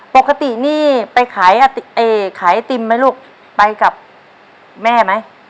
ปกตินี่ไปขายขายไอติมไหมลูกไปกับแม่ไหม